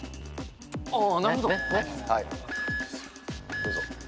どうぞ。